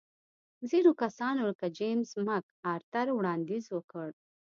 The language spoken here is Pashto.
ځینو کسانو لکه جېمز مک ارتر وړاندیز وکړ.